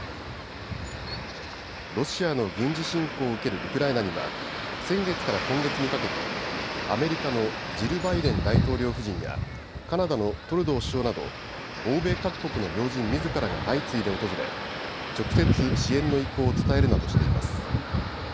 ロシアの軍事侵攻を受けるウクライナには先月から今月にかけてアメリカのジル・バイデン大統領夫人やカナダのトルドー首相など欧米各国の要人みずからが相次いで訪れ直接、支援の意向を伝えるなどしています。